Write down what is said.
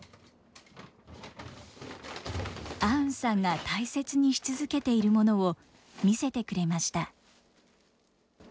アウンさんが大切にし続けているものを見せてくれました。